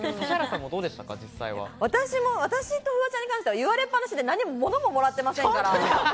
私とフワちゃんに関しては言われっ放しで、物ももらってませんから。